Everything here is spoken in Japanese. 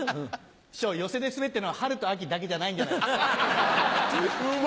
師匠寄席でスベってるのは春と秋だけじゃないんじゃないですか？